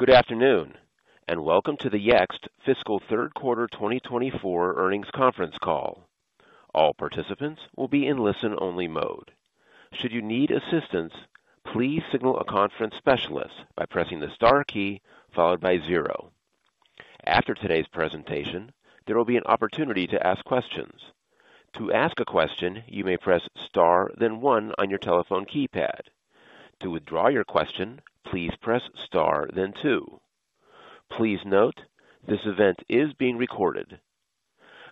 Good afternoon, and welcome to the Yext fiscal third quarter 2024 earnings conference call. All participants will be in listen-only mode. Should you need assistance, please signal a conference specialist by pressing the star key followed by zero. After today's presentation, there will be an opportunity to ask questions. To ask a question, you may press star, then one on your telephone keypad. To withdraw your question, please press star, then two. Please note, this event is being recorded.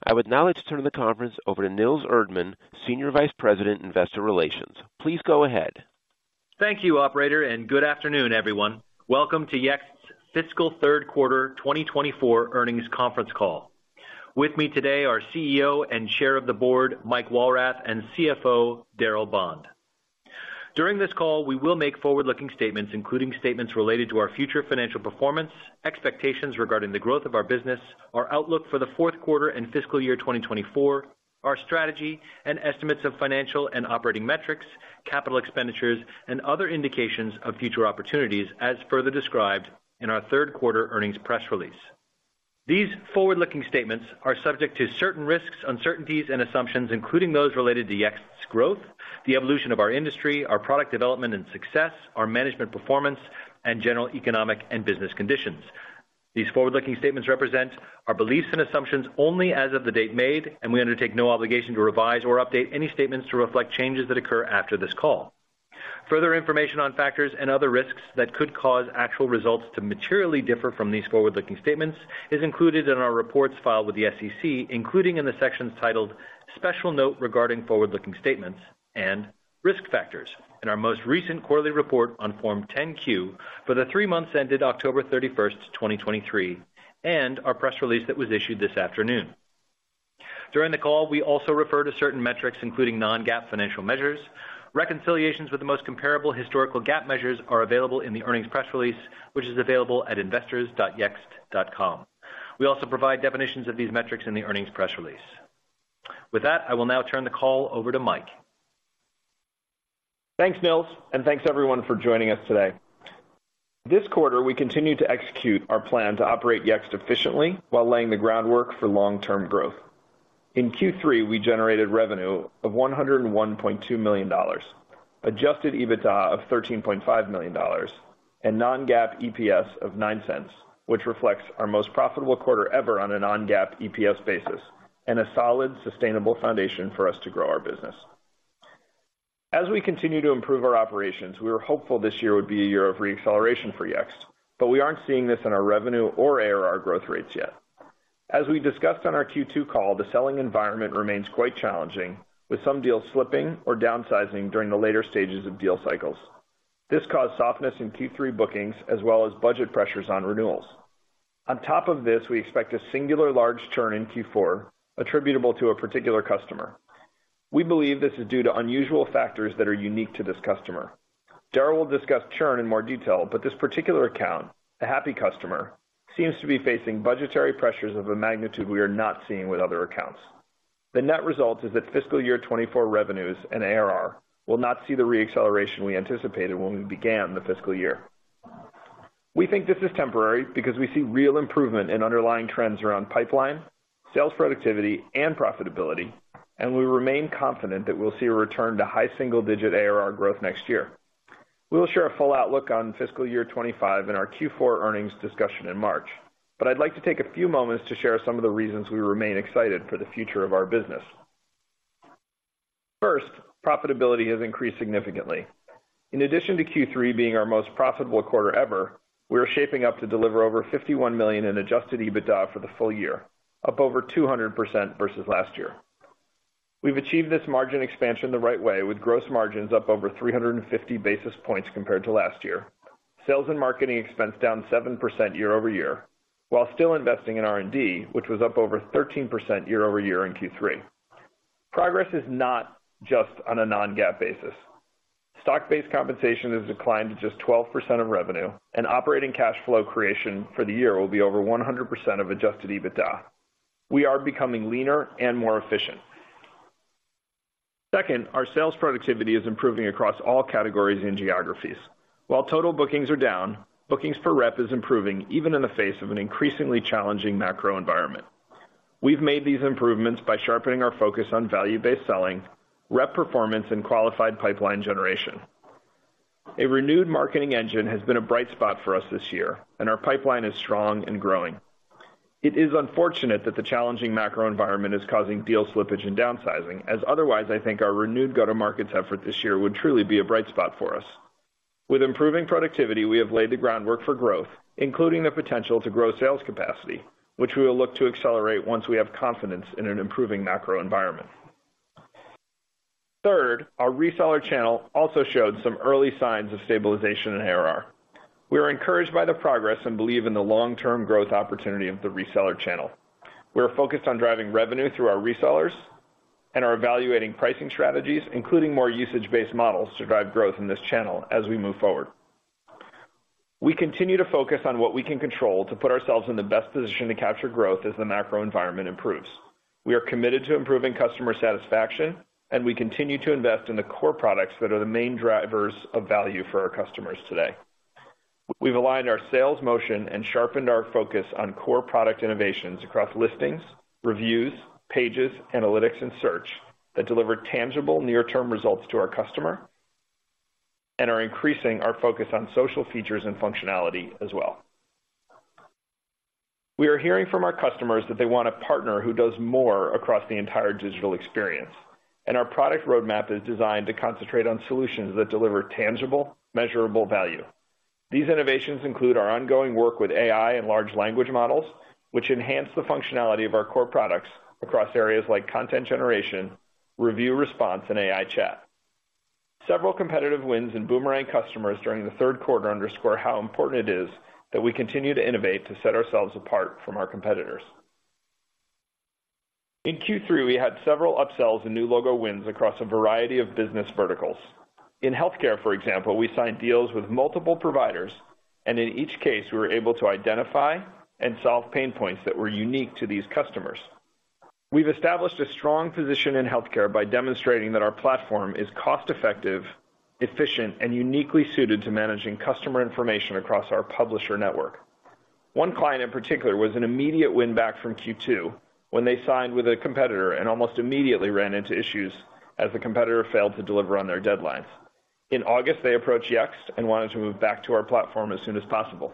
I would now like to turn the conference over to Nils Erdmann, Senior Vice President, Investor Relations. Please go ahead. Thank you, operator, and good afternoon, everyone. Welcome to Yext's fiscal third quarter 2024 earnings conference call. With me today are CEO and Chair of the Board, Mike Walrath, and CFO, Darryl Bond. During this call, we will make forward-looking statements, including statements related to our future financial performance, expectations regarding the growth of our business, our outlook for the fourth quarter and fiscal year 2024, our strategy and estimates of financial and operating metrics, capital expenditures, and other indications of future opportunities, as further described in our third quarter earnings press release. These forward-looking statements are subject to certain risks, uncertainties, and assumptions, including those related to Yext's growth, the evolution of our industry, our product development and success, our management performance, and general economic and business conditions. These forward-looking statements represent our beliefs and assumptions only as of the date made, and we undertake no obligation to revise or update any statements to reflect changes that occur after this call. Further information on factors and other risks that could cause actual results to materially differ from these forward-looking statements is included in our reports filed with the SEC, including in the sections titled Special Note regarding Forward-Looking Statements and Risk Factors in our most recent quarterly report on Form 10-Q for the three months ended October 31st, 2023, and our press release that was issued this afternoon. During the call, we also refer to certain metrics, including non-GAAP financial measures. Reconciliations with the most comparable historical GAAP measures are available in the earnings press release, which is available at investors.yext.com. We also provide definitions of these metrics in the earnings press release. With that, I will now turn the call over to Mike. Thanks, Nils, and thanks everyone for joining us today. This quarter, we continued to execute our plan to operate Yext efficiently while laying the groundwork for long-term growth. In Q3, we generated revenue of $101.2 million, adjusted EBITDA of $13.5 million, and non-GAAP EPS of $0.09, which reflects our most profitable quarter ever on a non-GAAP EPS basis and a solid, sustainable foundation for us to grow our business. As we continue to improve our operations, we were hopeful this year would be a year of re-acceleration for Yext, but we aren't seeing this in our revenue or ARR growth rates yet. As we discussed on our Q2 call, the selling environment remains quite challenging, with some deals slipping or downsizing during the later stages of deal cycles. This caused softness in Q3 bookings as well as budget pressures on renewals. On top of this, we expect a singular large churn in Q4, attributable to a particular customer. We believe this is due to unusual factors that are unique to this customer. Darryl will discuss churn in more detail, but this particular account, a happy customer, seems to be facing budgetary pressures of a magnitude we are not seeing with other accounts. The net result is that fiscal year 2024 revenues and ARR will not see the re-acceleration we anticipated when we began the fiscal year. We think this is temporary because we see real improvement in underlying trends around pipeline, sales, productivity, and profitability, and we remain confident that we'll see a return to high single-digit ARR growth next year. We will share a full outlook on fiscal year 2025 in our Q4 earnings discussion in March, but I'd like to take a few moments to share some of the reasons we remain excited for the future of our business. First, profitability has increased significantly. In addition to Q3 being our most profitable quarter ever, we are shaping up to deliver over $51 million in Adjusted EBITDA for the full year, up over 200% versus last year. We've achieved this margin expansion the right way, with gross margins up over 350 basis points compared to last year. Sales and marketing expense down 7% year-over-year, while still investing in R&D, which was up over 13% year-over-year in Q3. Progress is not just on a non-GAAP basis. Stock-based compensation has declined to just 12% of revenue, and operating cash flow creation for the year will be over 100% of Adjusted EBITDA. We are becoming leaner and more efficient. Second, our sales productivity is improving across all categories and geographies. While total bookings are down, bookings per rep is improving, even in the face of an increasingly challenging macro environment. We've made these improvements by sharpening our focus on value-based selling, rep performance, and qualified pipeline generation. A renewed marketing engine has been a bright spot for us this year, and our pipeline is strong and growing. It is unfortunate that the challenging macro environment is causing deal slippage and downsizing, as otherwise, I think our renewed go-to-market effort this year would truly be a bright spot for us. With improving productivity, we have laid the groundwork for growth, including the potential to grow sales capacity, which we will look to accelerate once we have confidence in an improving macro environment. Third, our reseller channel also showed some early signs of stabilization and ARR. We are encouraged by the progress and believe in the long-term growth opportunity of the reseller channel. We are focused on driving revenue through our resellers and are evaluating pricing strategies, including more usage-based models, to drive growth in this channel as we move forward. We continue to focus on what we can control to put ourselves in the best position to capture growth as the macro environment improves. We are committed to improving customer satisfaction, and we continue to invest in the core products that are the main drivers of value for our customers today. We've aligned our sales motion and sharpened our focus on core product innovations across Listings, Reviews, Pages, Analytics, and Search that deliver tangible near-term results to our customer, and are increasing our focus on Social features and functionality as well. We are hearing from our customers that they want a partner who does more across the entire digital experience, and our product roadmap is designed to concentrate on solutions that deliver tangible, measurable value. These innovations include our ongoing work with AI and large language models, which enhance the functionality of our core products across areas like content generation, Review Response, and AI Chat. Several competitive wins and boomerang customers during the third quarter underscore how important it is that we continue to innovate, to set ourselves apart from our competitors. In Q3, we had several upsells and new logo wins across a variety of business verticals. In healthcare, for example, we signed deals with multiple providers, and in each case, we were able to identify and solve pain points that were unique to these customers. We've established a strong position in healthcare by demonstrating that our platform is cost-effective, efficient, and uniquely suited to managing customer information across our publisher network. One client, in particular, was an immediate win-back from Q2 when they signed with a competitor and almost immediately ran into issues as the competitor failed to deliver on their deadlines. In August, they approached Yext and wanted to move back to our platform as soon as possible.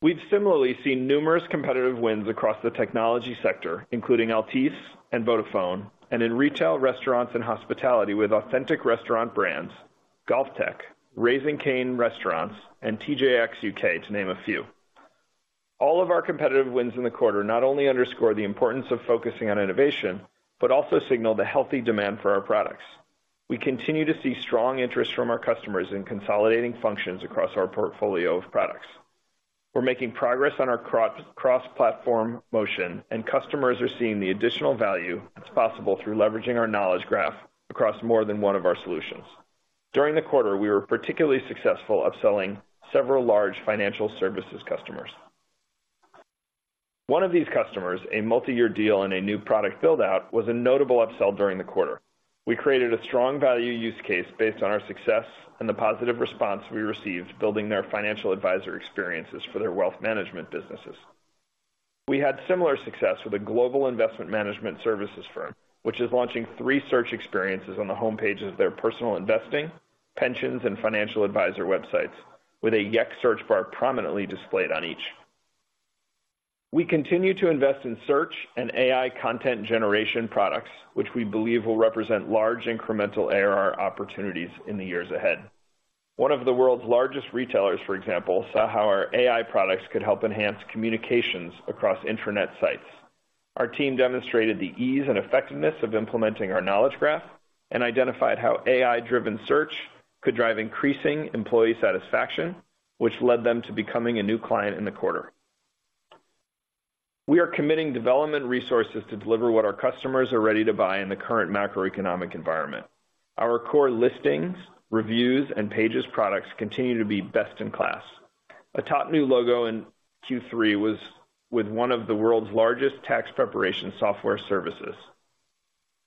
We've similarly seen numerous competitive wins across the technology sector, including Altice and Vodafone, and in retail, restaurants, and hospitality, with Authentic Restaurant Brands, GolfTEC, Raising Cane's restaurants, and TJX UK, to name a few. All of our competitive wins in the quarter not only underscore the importance of focusing on innovation, but also signal the healthy demand for our products. We continue to see strong interest from our customers in consolidating functions across our portfolio of products. We're making progress on our cross-platform motion, and customers are seeing the additional value that's possible through leveraging our Knowledge Graph across more than one of our solutions. During the quarter, we were particularly successful upselling several large financial services customers. One of these customers, a multi-year deal and a new product build-out, was a notable upsell during the quarter. We created a strong value use case based on our success and the positive response we received, building their financial advisor experiences for their wealth management businesses. We had similar success with a global investment management services firm, which is launching three search experiences on the home pages of their personal investing, pensions, and financial advisor websites, with a Yext search bar prominently displayed on each. We continue to invest in search and AI content generation products, which we believe will represent large incremental ARR opportunities in the years ahead. One of the world's largest retailers, for example, saw how our AI products could help enhance communications across intranet sites. Our team demonstrated the ease and effectiveness of implementing our Knowledge Graph and identified how AI-driven search could drive increasing employee satisfaction, which led them to becoming a new client in the quarter. We are committing development resources to deliver what our customers are ready to buy in the current macroeconomic environment. Our core listings, reviews, and pages products continue to be best-in-class. A top new logo in Q3 was with one of the world's largest tax preparation software services.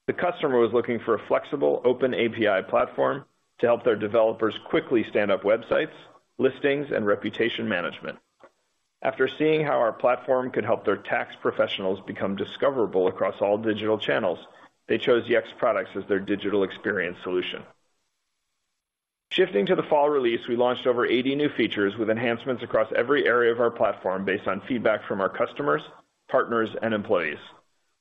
The customer was looking for a flexible, open API platform to help their developers quickly stand up websites, listings, and reputation management. After seeing how our platform could help their tax professionals become discoverable across all digital channels, they chose Yext products as their digital experience solution. Shifting to the fall release, we launched over 80 new features with enhancements across every area of our platform based on feedback from our customers, partners, and employees.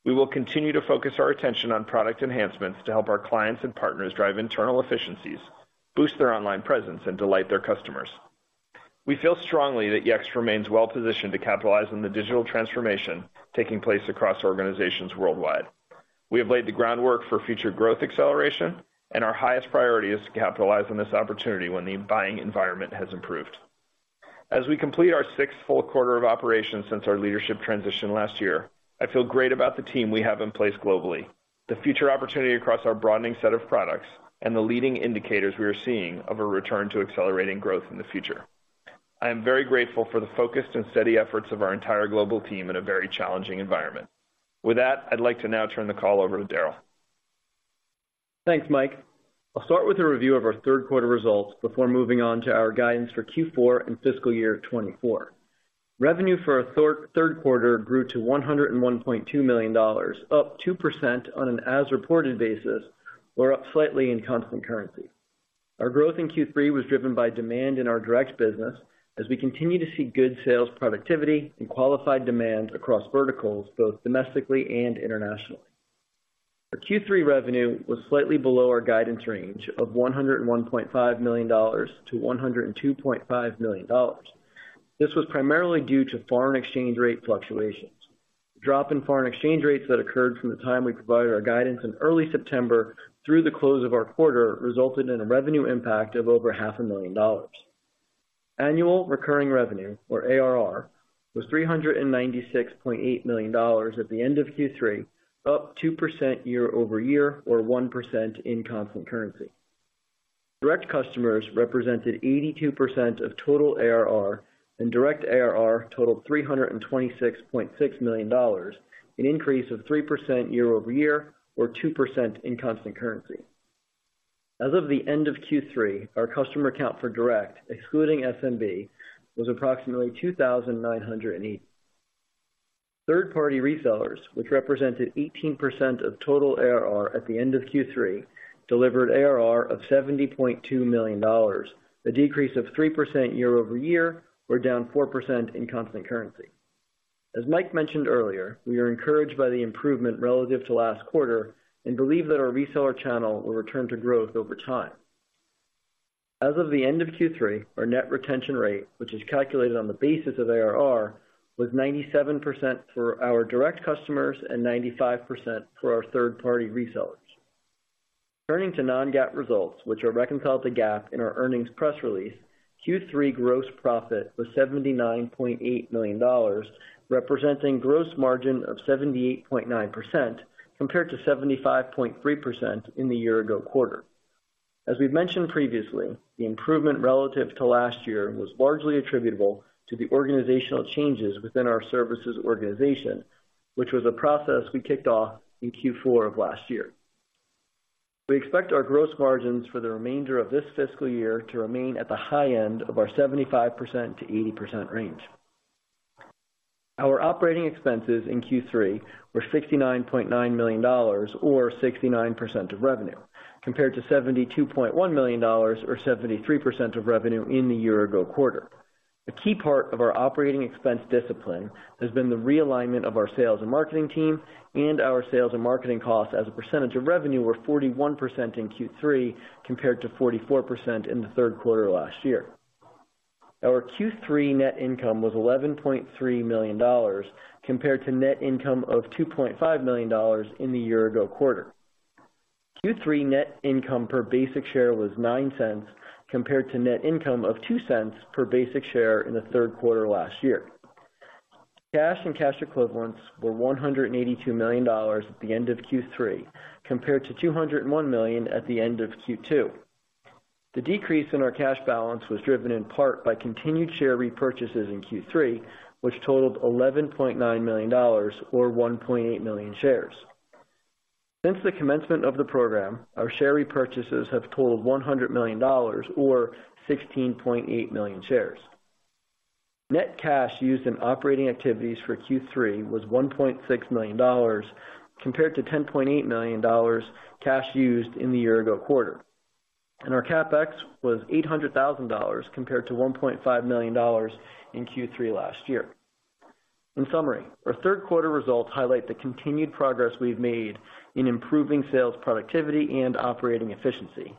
We will continue to focus our attention on product enhancements to help our clients and partners drive internal efficiencies, boost their online presence, and delight their customers. We feel strongly that Yext remains well-positioned to capitalize on the digital transformation taking place across organizations worldwide. We have laid the groundwork for future growth acceleration, and our highest priority is to capitalize on this opportunity when the buying environment has improved. As we complete our sixth full quarter of operations since our leadership transition last year, I feel great about the team we have in place globally, the future opportunity across our broadening set of products, and the leading indicators we are seeing of a return to accelerating growth in the future. I am very grateful for the focused and steady efforts of our entire global team in a very challenging environment. With that, I'd like to now turn the call over to Darryl. Thanks, Mike. I'll start with a review of our third quarter results before moving on to our guidance for Q4 and fiscal year 2024. Revenue for our third quarter grew to $101.2 million, up 2% on an as-reported basis, or up slightly in constant currency. Our growth in Q3 was driven by demand in our direct business as we continue to see good sales, productivity, and qualified demand across verticals, both domestically and internationally. Our Q3 revenue was slightly below our guidance range of $101.5 million-$102.5 million. This was primarily due to foreign exchange rate fluctuations. Drop in foreign exchange rates that occurred from the time we provided our guidance in early September through the close of our quarter, resulted in a revenue impact of over $500,000. Annual recurring revenue, or ARR, was $396.8 million at the end of Q3, up 2% year-over-year, or 1% in constant currency. Direct customers represented 82% of total ARR, and direct ARR totaled $326.6 million, an increase of 3% year-over-year or 2% in constant currency. As of the end of Q3, our customer count for direct, excluding SMB, was approximately 2,980. Third-party resellers, which represented 18% of total ARR at the end of Q3, delivered ARR of $70.2 million, a decrease of 3% year-over-year, or down 4% in constant currency. As Mike mentioned earlier, we are encouraged by the improvement relative to last quarter and believe that our reseller channel will return to growth over time. As of the end of Q3, our net retention rate, which is calculated on the basis of ARR, was 97% for our direct customers and 95% for our third-party resellers. Turning to non-GAAP results, which are reconciled to GAAP in our earnings press release, Q3 gross profit was $79.8 million, representing gross margin of 78.9%, compared to 75.3% in the year-ago quarter. As we've mentioned previously, the improvement relative to last year was largely attributable to the organizational changes within our services organization, which was a process we kicked off in Q4 of last year. We expect our gross margins for the remainder of this fiscal year to remain at the high end of our 75%-80% range. Our operating expenses in Q3 were $69.9 million or 69% of revenue, compared to $72.1 million or 73% of revenue in the year-ago quarter. A key part of our operating expense discipline has been the realignment of our sales and marketing team, and our sales and marketing costs as a percentage of revenue were 41% in Q3, compared to 44% in the third quarter last year. Our Q3 net income was $11.3 million, compared to net income of $2.5 million in the year-ago quarter. Q3 net income per basic share was $0.09, compared to net income of $0.02 per basic share in the third quarter last year. Cash and cash equivalents were $182 million at the end of Q3, compared to $201 million at the end of Q2. The decrease in our cash balance was driven in part by continued share repurchases in Q3, which totaled $11.9 million or 1.8 million shares. Since the commencement of the program, our share repurchases have totaled $100 million or 16.8 million shares. Net cash used in operating activities for Q3 was $1.6 million, compared to $10.8 million cash used in the year-ago quarter, and our CapEx was $800,000, compared to $1.5 million in Q3 last year. In summary, our third quarter results highlight the continued progress we've made in improving sales, productivity, and operating efficiency.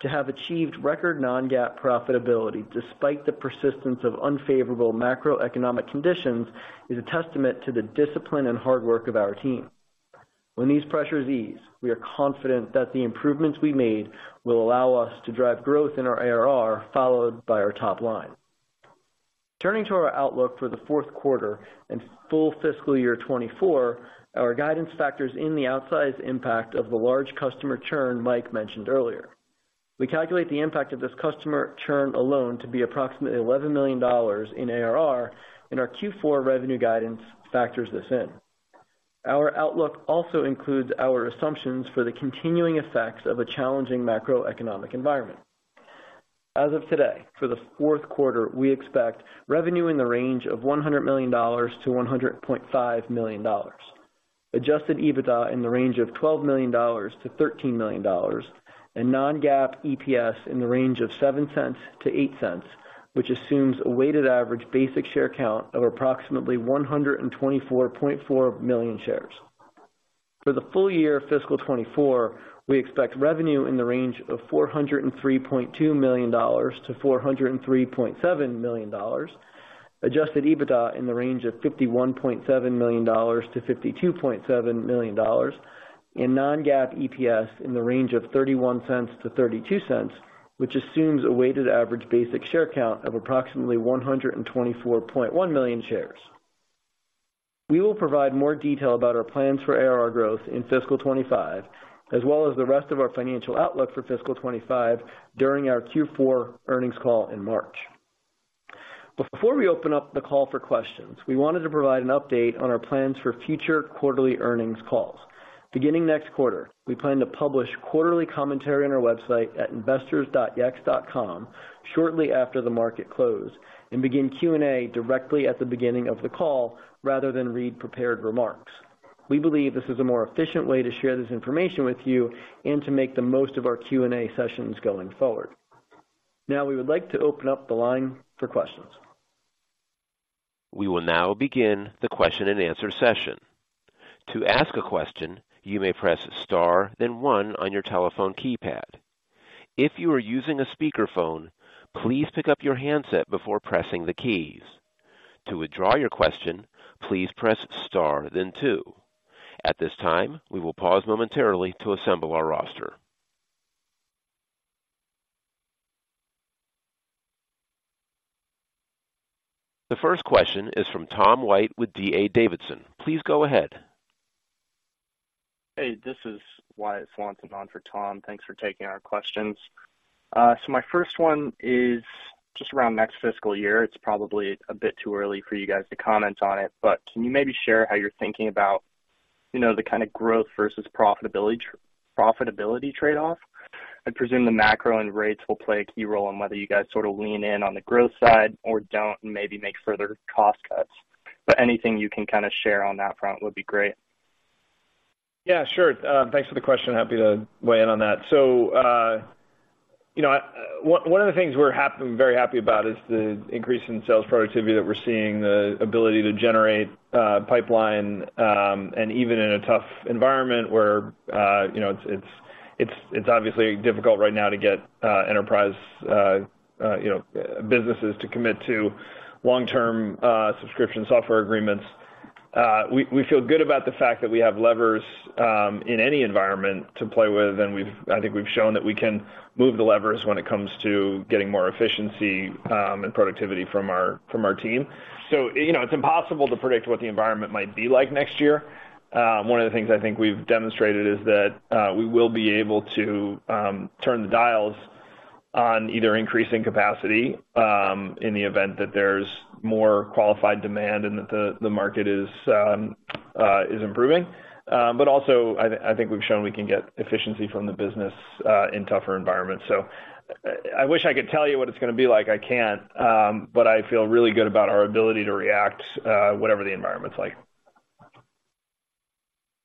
To have achieved record non-GAAP profitability, despite the persistence of unfavorable macroeconomic conditions, is a testament to the discipline and hard work of our team. When these pressures ease, we are confident that the improvements we made will allow us to drive growth in our ARR, followed by our top line. Turning to our outlook for the fourth quarter and full fiscal year 2024, our guidance factors in the outsized impact of the large customer churn Mike mentioned earlier. We calculate the impact of this customer churn alone to be approximately $11 million in ARR, and our Q4 revenue guidance factors this in. Our outlook also includes our assumptions for the continuing effects of a challenging macroeconomic environment. As of today, for the fourth quarter, we expect revenue in the range of $100 million-$100.5 million, Adjusted EBITDA in the range of $12 million-$13 million, and non-GAAP EPS in the range of $0.07-$0.08, which assumes a weighted average basic share count of approximately 124.4 million shares. For the full year of fiscal 2024, we expect revenue in the range of $403.2 million-$403.7 million, Adjusted EBITDA in the range of $51.7 million-$52.7 million, and non-GAAP EPS in the range of $0.31-$0.32, which assumes a weighted average basic share count of approximately 124.1 million shares. We will provide more detail about our plans for ARR growth in fiscal 2025, as well as the rest of our financial outlook for fiscal 2025 during our Q4 earnings call in March. Before we open up the call for questions, we wanted to provide an update on our plans for future quarterly earnings calls. Beginning next quarter, we plan to publish quarterly commentary on our website at investors.yext.com shortly after the market closed and begin Q&A directly at the beginning of the call, rather than read prepared remarks. We believe this is a more efficient way to share this information with you and to make the most of our Q&A sessions going forward. Now we would like to open up the line for questions. We will now begin the question-and-answer session. To ask a question, you may press Star, then one on your telephone keypad. If you are using a speakerphone, please pick up your handset before pressing the keys. To withdraw your question, please press Star then two. At this time, we will pause momentarily to assemble our roster.... The first question is from Tom White with D.A. Davidson. Please go ahead. Hey, this is Wyatt Swanson on for Tom. Thanks for taking our questions. So my first one is just around next fiscal year. It's probably a bit too early for you guys to comment on it, but can you maybe share how you're thinking about, you know, the kind of growth versus profitability, profitability trade-off? I'd presume the macro and rates will play a key role in whether you guys sort of lean in on the growth side or don't and maybe make further cost cuts. But anything you can kind of share on that front would be great. Yeah, sure. Thanks for the question. Happy to weigh in on that. So, you know, I one of the things we're very happy about is the increase in sales productivity that we're seeing, the ability to generate pipeline, and even in a tough environment where, you know, it's obviously difficult right now to get enterprise, you know, businesses to commit to long-term subscription software agreements. We feel good about the fact that we have levers in any environment to play with, and we've I think we've shown that we can move the levers when it comes to getting more efficiency and productivity from our team. So, you know, it's impossible to predict what the environment might be like next year. One of the things I think we've demonstrated is that we will be able to turn the dials on either increasing capacity in the event that there's more qualified demand and that the market is improving. But also, I think we've shown we can get efficiency from the business in tougher environments. So I wish I could tell you what it's gonna be like. I can't, but I feel really good about our ability to react whatever the environment's like.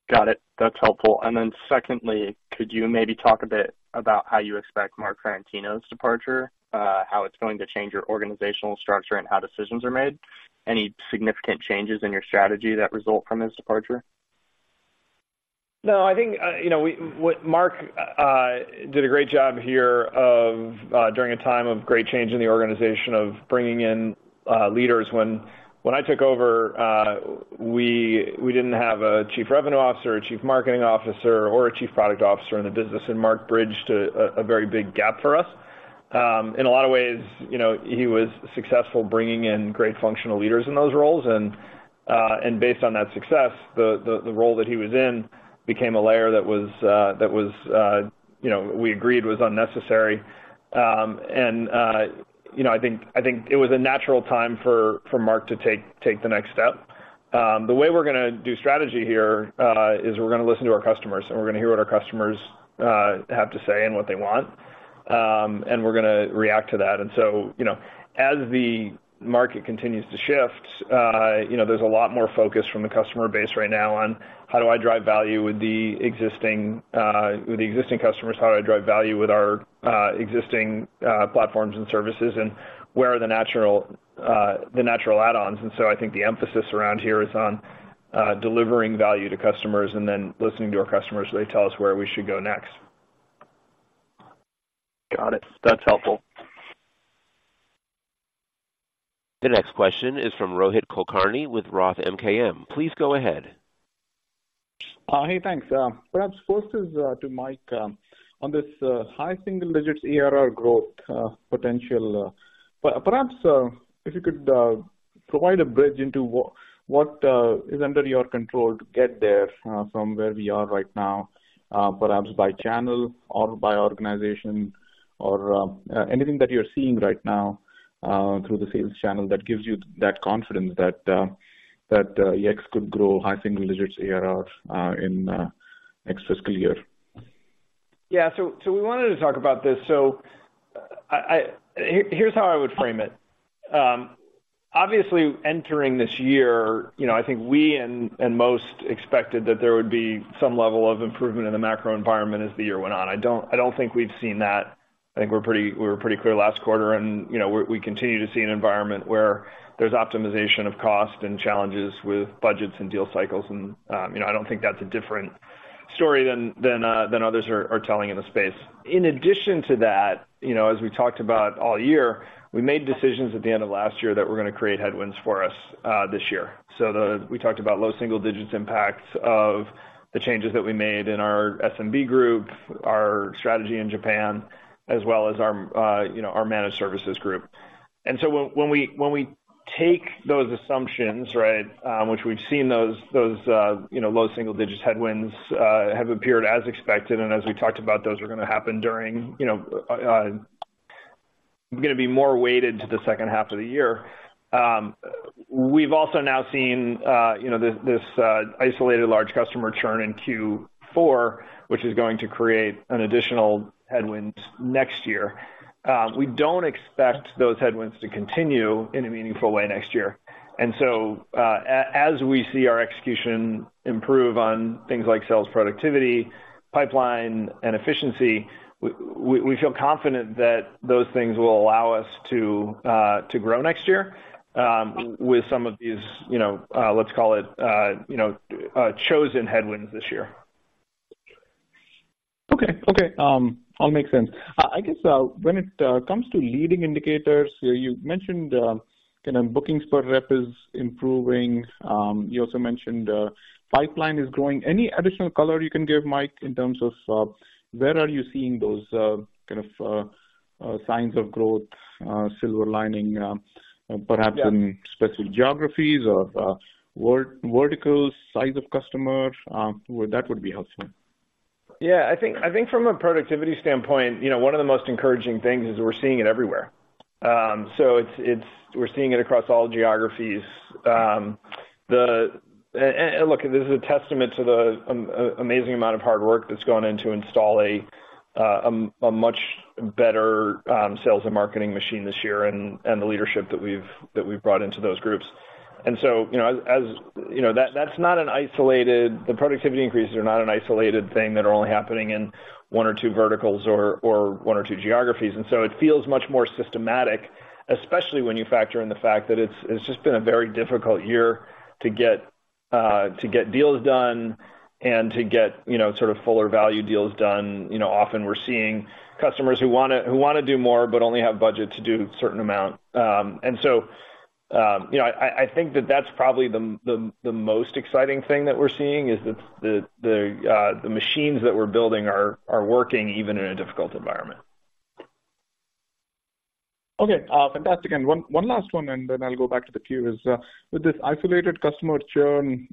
Got it. That's helpful. And then secondly, could you maybe talk a bit about how you expect Marc Ferrentino's departure, how it's going to change your organizational structure and how decisions are made? Any significant changes in your strategy that result from his departure? No, I think, you know, we—what Marc did a great job here of, during a time of great change in the organization, of bringing in leaders. When I took over, we didn't have a Chief Revenue Officer, a Chief Marketing Officer, or a Chief Product Officer in the business, and Marc bridged a very big gap for us. In a lot of ways, you know, he was successful bringing in great functional leaders in those roles. And based on that success, the role that he was in became a layer that was, you know, we agreed was unnecessary. And you know, I think it was a natural time for Marc to take the next step. The way we're gonna do strategy here, is we're gonna listen to our customers, and we're gonna hear what our customers, have to say and what they want, and we're gonna react to that. And so, you know, as the market continues to shift, you know, there's a lot more focus from the customer base right now on how do I drive value with the existing, with the existing customers? How do I drive value with our, existing, platforms and services, and where are the natural, the natural add-ons? And so I think the emphasis around here is on, delivering value to customers and then listening to our customers so they tell us where we should go next. Got it. That's helpful. The next question is from Rohit Kulkarni with Roth MKM. Please go ahead. Hey, thanks. Perhaps first is to Mike. On this high single digits ARR growth potential, perhaps if you could provide a bridge into what is under your control to get there from where we are right now, perhaps by channel or by organization or anything that you're seeing right now through the sales channel that gives you that confidence that that Yext could grow high single digits ARRs in next fiscal year? Yeah, so we wanted to talk about this. So I—here's how I would frame it. Obviously, entering this year, you know, I think we and most expected that there would be some level of improvement in the macro environment as the year went on. I don't think we've seen that. I think we're pretty—we were pretty clear last quarter and, you know, we continue to see an environment where there's optimization of cost and challenges with budgets and deal cycles. And, you know, I don't think that's a different story than others are telling in the space. In addition to that, you know, as we talked about all year, we made decisions at the end of last year that were gonna create headwinds for us this year. So the... We talked about low single digits impacts of the changes that we made in our SMB group, our strategy in Japan, as well as our you know our managed services group. And so when we take those assumptions, right, which we've seen those you know low single digits headwinds have appeared as expected, and as we talked about, those are gonna happen during you know gonna be more weighted to the second half of the year. We've also now seen you know this isolated large customer churn in Q4, which is going to create an additional headwinds next year. We don't expect those headwinds to continue in a meaningful way next year. And so, as we see our execution improve on things like sales, productivity, pipeline, and efficiency, we feel confident that those things will allow us to grow next year, with some of these, you know, let's call it, you know, chosen headwinds this year. Okay. Okay, all makes sense. I guess, when it comes to leading indicators, you mentioned, you know, bookings per rep is improving. You also mentioned pipeline is growing. Any additional color you can give, Mike, in terms of where are you seeing those kind of signs of growth, silver lining, perhaps in specific geographies or verticals, size of customer, well, that would be helpful. Yeah, I think from a productivity standpoint, you know, one of the most encouraging things is we're seeing it everywhere. So it's-- we're seeing it across all geographies. And look, this is a testament to the amazing amount of hard work that's gone into installing a much better sales and marketing machine this year and the leadership that we've brought into those groups. And so, you know, as you know, that's not an isolated... The productivity increases are not an isolated thing that are only happening in one or two verticals or one or two geographies, and so it feels much more systematic, especially when you factor in the fact that it's just been a very difficult year to get to get deals done and to get, you know, sort of fuller value deals done. You know, often we're seeing customers who wanna do more, but only have budget to do a certain amount. And so, you know, I think that that's probably the the most exciting thing that we're seeing, is that the machines that we're building are working even in a difficult environment. Okay, fantastic. One last one, and then I'll go back to the queue, is with this isolated customer churn,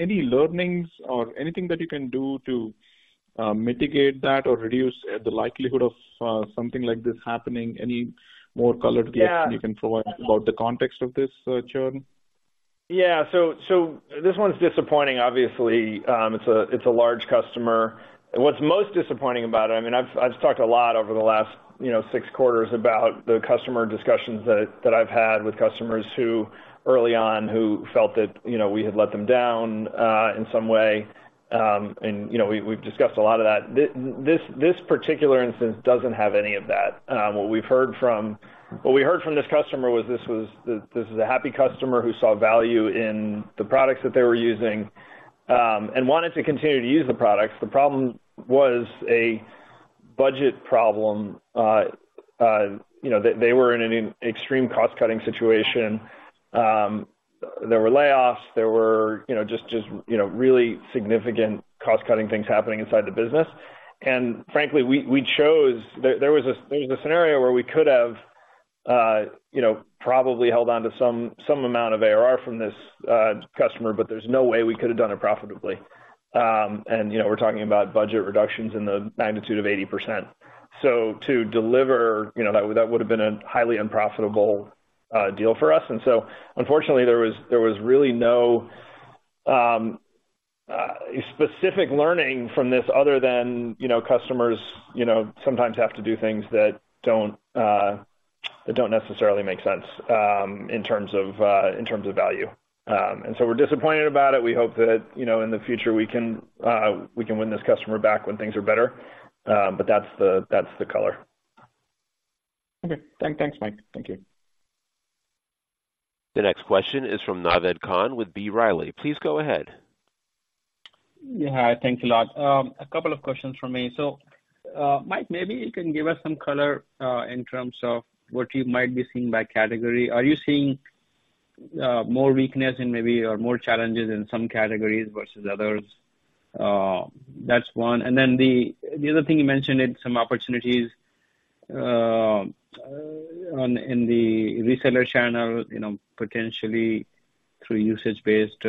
any learnings or anything that you can do to mitigate that or reduce the likelihood of something like this happening? Any more color to the- Yeah. Action you can provide about the context of this churn? Yeah. So this one's disappointing, obviously. It's a large customer. What's most disappointing about it, I mean, I've talked a lot over the last, you know, six quarters about the customer discussions that I've had with customers who, early on, who felt that, you know, we had let them down in some way. And, you know, we've discussed a lot of that. This particular instance doesn't have any of that. What we heard from this customer was this was a happy customer who saw value in the products that they were using and wanted to continue to use the products. The problem was a budget problem. You know, they were in an extreme cost-cutting situation. There were layoffs, there were, you know, just, just, you know, really significant cost-cutting things happening inside the business. And frankly, we, we chose... There, there was a, there was a scenario where we could have, you know, probably held on to some, some amount of ARR from this, customer, but there's no way we could have done it profitably. And, you know, we're talking about budget reductions in the magnitude of 80%. So to deliver, you know, that would, that would've been a highly unprofitable, deal for us. And so unfortunately, there was, there was really no, specific learning from this other than, you know, customers, you know, sometimes have to do things that don't, that don't necessarily make sense, in terms of, in terms of value. And so we're disappointed about it. We hope that, you know, in the future, we can, we can win this customer back when things are better, but that's the, that's the color. Okay. Thanks, Mike. Thank you. The next question is from Naved Khan with B. Riley. Please go ahead. Yeah, thanks a lot. A couple of questions from me. So, Mike, maybe you can give us some color in terms of what you might be seeing by category. Are you seeing more weakness in maybe or more challenges in some categories versus others? That's one. And then the other thing you mentioned is some opportunities in the reseller channel, you know, potentially through usage-based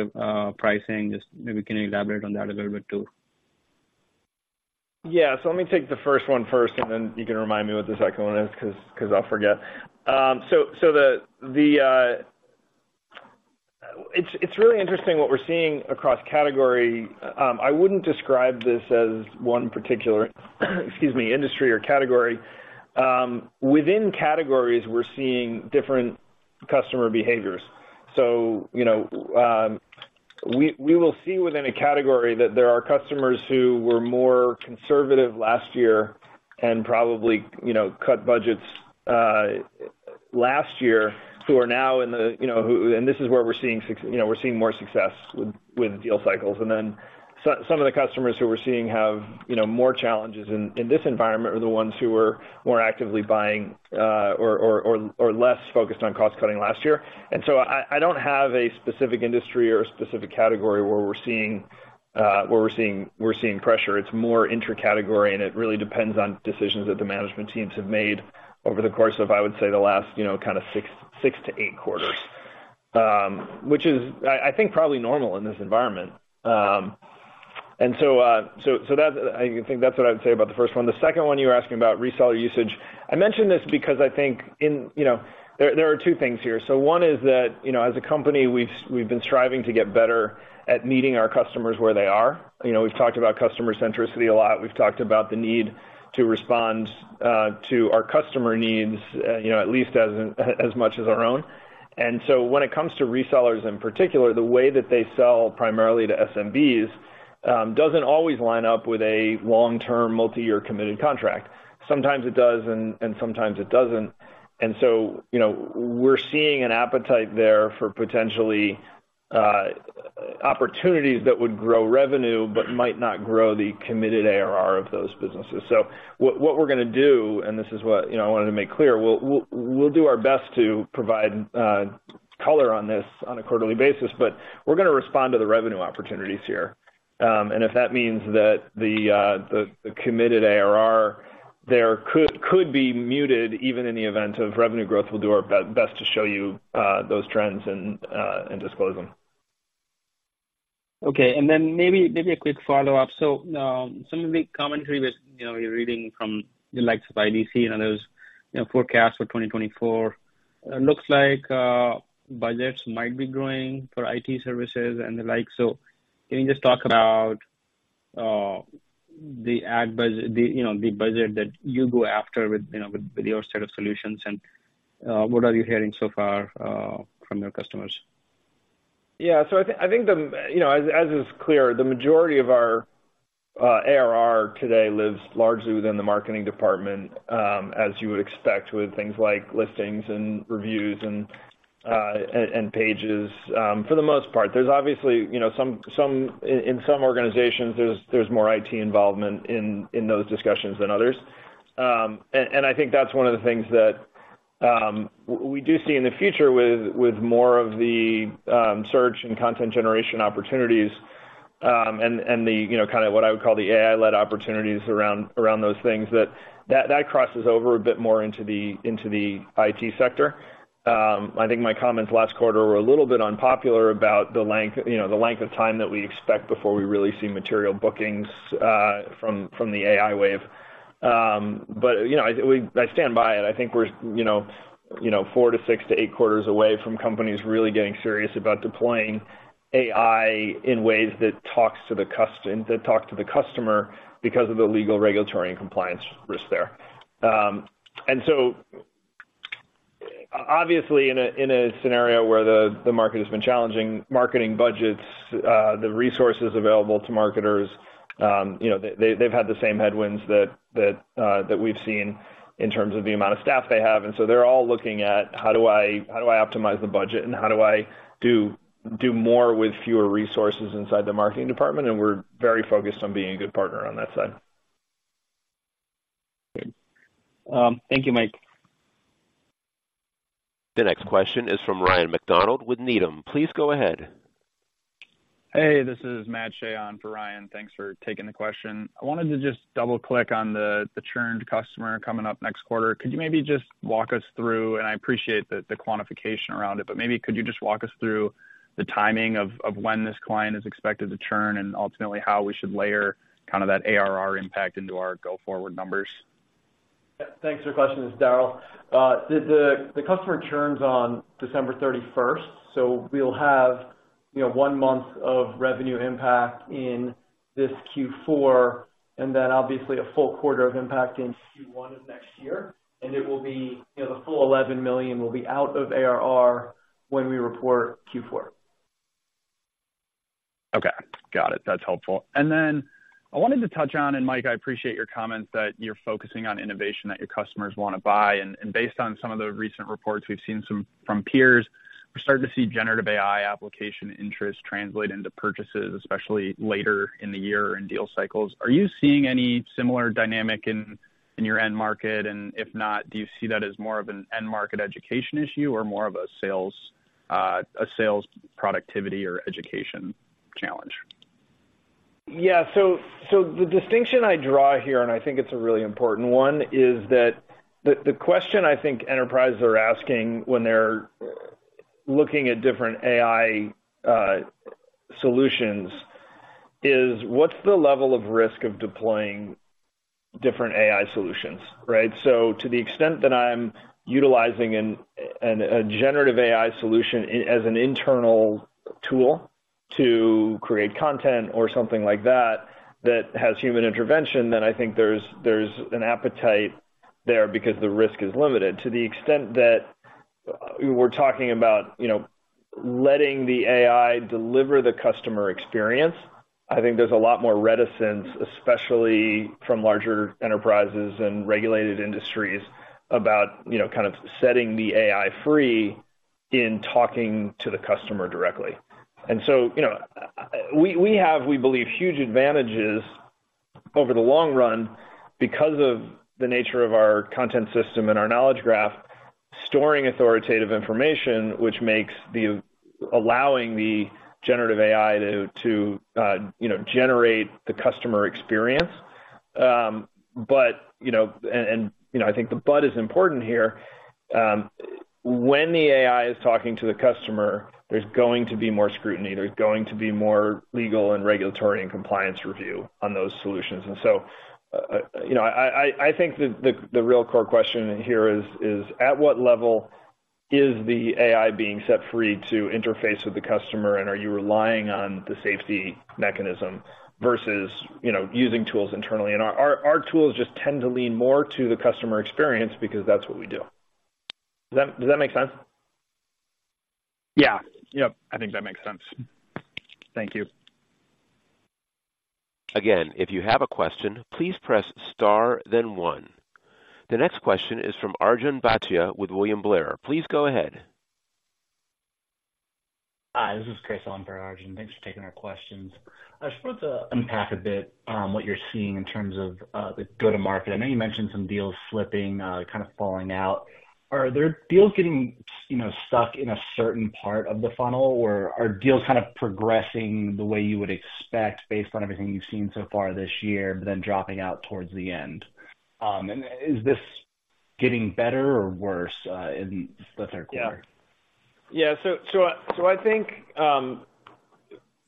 pricing. Just maybe can you elaborate on that a little bit, too? Yeah. So let me take the first one first, and then you can remind me what the second one is, 'cause I'll forget. It's really interesting what we're seeing across category. I wouldn't describe this as one particular, excuse me, industry or category. Within categories, we're seeing different customer behaviors. So you know, we will see within a category that there are customers who were more conservative last year and probably, you know, cut budgets last year, who are now in the, you know, who. And this is where we're seeing success you know, we're seeing more success with deal cycles. And then some of the customers who we're seeing have, you know, more challenges in this environment are the ones who were more actively buying or less focused on cost cutting last year. So I don't have a specific industry or a specific category where we're seeing pressure. It's more intercategory, and it really depends on decisions that the management teams have made over the course of, I would say, the last, you know, kind of 6-8 quarters. Which is, I think, probably normal in this environment. So that, I think that's what I would say about the first one. The second one, you were asking about reseller usage. I mentioned this because I think in... You know, there are two things here. So one is that, you know, as a company, we've been striving to get better at meeting our customers where they are. You know, we've talked about customer centricity a lot. We've talked about the need to respond to our customer needs, you know, at least as much as our own. And so when it comes to resellers, in particular, the way that they sell primarily to SMBs doesn't always line up with a long-term, multi-year committed contract. Sometimes it does, and sometimes it doesn't. And so, you know, we're seeing an appetite there for potentially opportunities that would grow revenue but might not grow the committed ARR of those businesses. So what we're gonna do, and this is what, you know, I wanted to make clear, we'll do our best to provide... color on this on a quarterly basis, but we're gonna respond to the revenue opportunities here. And if that means that the committed ARR there could be muted even in the event of revenue growth, we'll do our best to show you those trends and disclose them. Okay, and then maybe a quick follow-up. So, some of the commentary was, you know, you're reading from the likes of IDC and others, you know, forecasts for 2024. It looks like budgets might be growing for IT services and the like, so can you just talk about the ad budget, you know, the budget that you go after with, you know, with your set of solutions, and what are you hearing so far from your customers? Yeah, so I think, I think the, you know, as, as is clear, the majority of our ARR today lives largely within the marketing department, as you would expect, with things like listings and reviews and pages, for the most part. There's obviously, you know, some in some organizations, there's more IT involvement in those discussions than others. I think that's one of the things that we do see in the future with more of the search and content generation opportunities, and the, you know, kind of what I would call the AI-led opportunities around those things, that crosses over a bit more into the IT sector. I think my comments last quarter were a little bit unpopular about the length, you know, the length of time that we expect before we really see material bookings from the AI wave. But, you know, I stand by it. I think we're, you know, 4 to 6 to 8 quarters away from companies really getting serious about deploying AI in ways that talk to the customer because of the legal, regulatory, and compliance risk there. Obviously, in a scenario where the market has been challenging marketing budgets, the resources available to marketers, you know, they've had the same headwinds that we've seen in terms of the amount of staff they have, and so they're all looking at how do I optimize the budget, and how do I do more with fewer resources inside the marketing department? We're very focused on being a good partner on that side. Great. Thank you, Mike. The next question is from Ryan McDonald with Needham. Please go ahead. Hey, this is Matt Shea on for Ryan. Thanks for taking the question. I wanted to just double-click on the, the churned customer coming up next quarter. Could you maybe just walk us through, and I appreciate the, the quantification around it, but maybe could you just walk us through the timing of, of when this client is expected to churn, and ultimately how we should layer kind of that ARR impact into our go-forward numbers? Yeah. Thanks for the question. This is Darryl. The customer churns on December thirty-first, so we'll have, you know, one month of revenue impact in this Q4, and then obviously a full quarter of impact in Q1 of next year. And it will be, you know, the full $11 million will be out of ARR w hen we report Q4. Okay, got it. That's helpful. And then I wanted to touch on, and Mike, I appreciate your comments that you're focusing on innovation that your customers wanna buy. And based on some of the recent reports, we've seen some from peers. We're starting to see generative AI application interest translate into purchases, especially later in the year in deal cycles. Are you seeing any similar dynamic in your end market? And if not, do you see that as more of an end market educ ation issue or more of a sales, a sales productivity or education challenge? Yeah, so the distinction I draw here, and I think it's a really important one, is that the question I think enterprises are asking when they're looking at different AI solutions, is what's the level of risk of deploying different AI solutions, right? So to the extent that I'm utilizing a generative AI solution as an internal tool to create content or something like that, that has human intervention, then I think there's an appetite there because the risk is limited. To the extent that we're talking about, you know, letting the AI deliver the customer experience, I think there's a lot more reticence, especially from larger enterprises and regulated industries, about, you know, kind of setting the AI free in talking to the customer directly. And so, you know, we have, we believe, huge advantages over the long run because of the nature of our content system and our Knowledge Graph, storing authoritative information, which makes the allowing the generative AI to, you know, generate the customer experience. But, you know, you know, I think the but is important here. When the AI is talking to the customer, there's going to be more scrutiny. There's going to be more legal and regulatory and compliance review on those solutions. And so, you know, I think the real core question here is: At what level is the AI being set free to interface with the customer, and are you relying on the safety mechanism versus, you know, using tools internally? Our, our tools just tend to lean more to the customer experience because that's what we do. Does that, does that make sense? Yeah. Yep, I think that makes sense. Thank you. Again, if you have a question, please press star, then one. The next question is from Arjun Bhatia with William Blair. Please go ahead.... Hi, this is Chris on for Arjun, and thanks for taking our questions. I just wanted to unpack a bit, what you're seeing in terms of, the go-to-market. I know you mentioned some deals slipping, kind of falling out. Are there deals getting, you know, stuck in a certain part of the funnel, or are deals kind of progressing the way you would expect based on everything you've seen so far this year, but then dropping out towards the end? And is this getting better or worse, in the third quarter? Yeah. Yeah. So, so, so I think,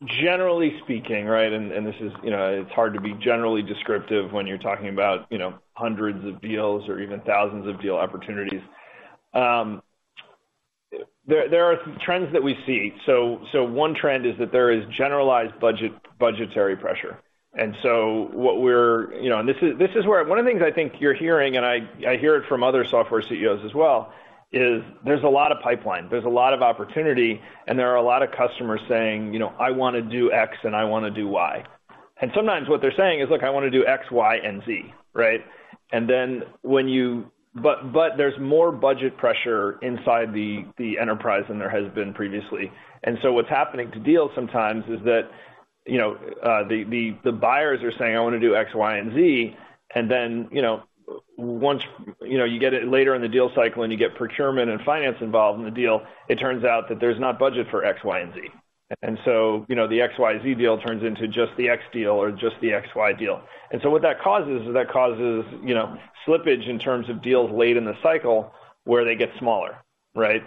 generally speaking, right, and, and this is, you know, it's hard to be generally descriptive when you're talking about, you know, hundreds of deals or even thousands of deal opportunities. There are trends that we see. So, so one trend is that there is generalized budgetary pressure. And so what we're, you know, and this is, this is where, one of the things I think you're hearing, and I hear it from other software CEOs as well, is there's a lot of pipeline, there's a lot of opportunity, and there are a lot of customers saying, "You know, I wanna do X, and I wanna do Y." And sometimes what they're saying is, "Look, I wanna do X, Y, and Z," right? And then when you—but, but there's more budget pressure inside the enterprise than there has been previously. And so what's happening to deals sometimes is that, you know, the buyers are saying, "I wanna do X, Y, and Z," and then, you know, once you get it later in the deal cycle and you get procurement and finance involved in the deal, it turns out that there's not budget for X, Y, and Z. And so, you know, the XYZ deal turns into just the X deal or just the XY deal. And so what that causes is, that causes, you know, slippage in terms of deals late in the cycle where they get smaller, right?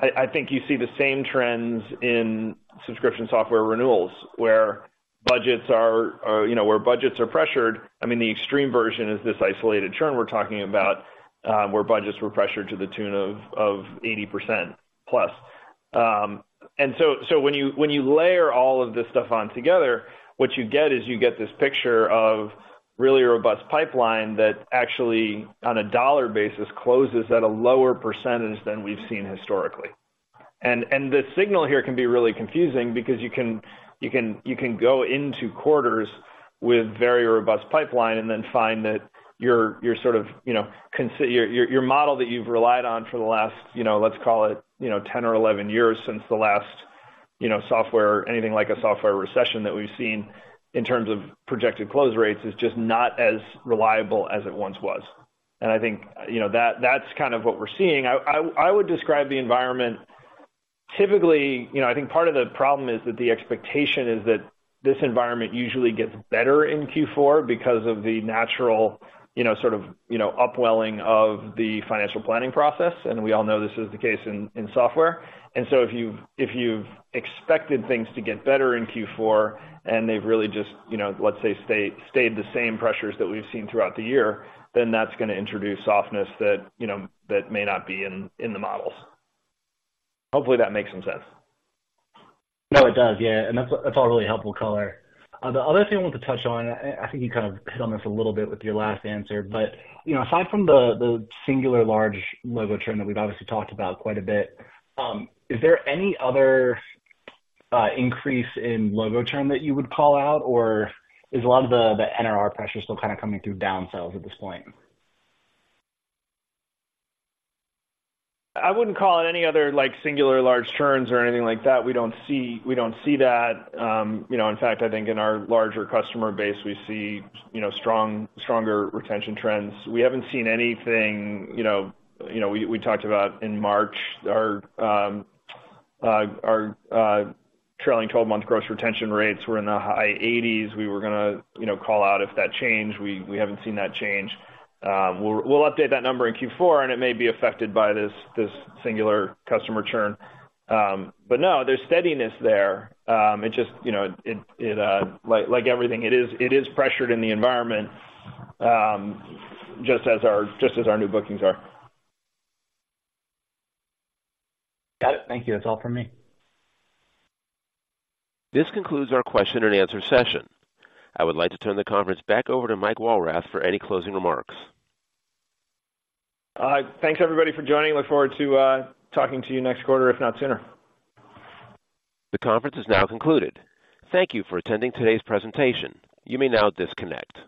I think you see the same trends in subscription software renewals, where budgets are pressured. I mean, the extreme version is this isolated churn we're talking about, where budgets were pressured to the tune of 80% plus. And so when you layer all of this stuff on together, what you get is you get this picture of really robust pipeline that actually, on a dollar basis, closes at a lower percentage than we've seen historically. And the signal here can be really confusing because you can go into quarters with very robust pipeline and then find that you're sort of, you know, your model that you've relied on for the last, you know, let's call it, you know, 10 or 11 years since the last, you know, software, anything like a software recession that we've seen in terms of projected close rates, is just not as reliable as it once was. And I think, you know, that, that's kind of what we're seeing. I would describe the environment... Typically, you know, I think part of the problem is that the expectation is that this environment usually gets better in Q4 because of the natural, you know, sort of, you know, upwelling of the financial planning process, and we all know this is the case in software. And so if you've expected things to get better in Q4, and they've really just, you know, let's say, stayed the same pressures that we've seen throughout the year, then that's gonna introduce softness that, you know, that may not be in the models. Hopefully, that makes some sense. No, it does. Yeah, and that's all really helpful color. The other thing I wanted to touch on, I think you kind of hit on this a little bit with your last answer, but, you know, aside from the singular large logo trend that we've obviously talked about quite a bit, is there any other increase in logo churn that you would call out, or is a lot of the NRR pressure still kind of coming through down sales at this point? I wouldn't call it any other, like, singular large churns or anything like that. We don't see, we don't see that. You know, in fact, I think in our larger customer base, we see, you know, stronger retention trends. We haven't seen anything, you know, we talked about in March, our trailing twelve-month gross retention rates were in the high 80s%. We were gonna, you know, call out if that changed. We haven't seen that change. We'll update that number in Q4, and it may be affected by this singular customer churn. But no, there's steadiness there. It just, you know, like everything, it is pressured in the environment, just as our new bookings are. Got it. Thank you. That's all from me. This concludes our question and answer session. I would like to turn the conference back over to Mike Walrath for any closing remarks. Thanks, everybody, for joining. Look forward to talking to you next quarter, if not sooner. The conference is now concluded. Thank you for attending today's presentation. You may now disconnect.